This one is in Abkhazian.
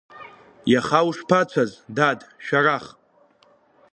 Иаха ушԥацәаз, дад, Шәарах?